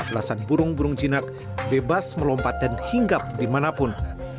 belasan burung burung jinak bebas melompat dan hinggap dimanapun